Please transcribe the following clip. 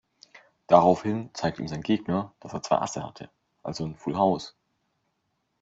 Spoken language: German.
Daraufhin zeigte ihm sein Gegner, dass er zwei Asse hatte, also ein Full House.